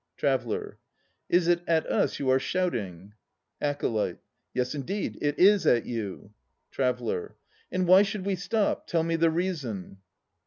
TRAVELLER. Is it at us you are shouting? ACOLYTE. Yes, indeed it is at you. TRAVELLER. And why should we stop? Tell me the reason.